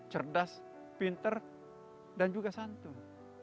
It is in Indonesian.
cerdas pinter dan juga santun